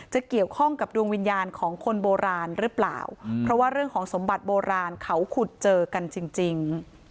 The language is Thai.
จะเกี่ยวข้องกับดวงวิญญาณของคนโบราณหรือเปล่าเพราะว่าเรื่องของสมบัติโบราณเขาขุดเจอกันจริง